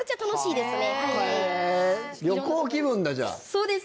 そうです